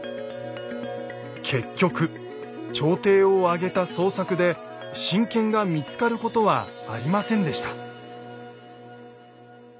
結局朝廷を挙げた捜索で神剣が見つかることはありませんでした。